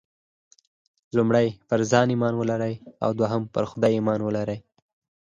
پر ځان ايمان ولرئ او پر خدای ايمان ولرئ.